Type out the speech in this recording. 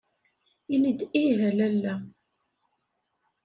Ini-d ih a lalla.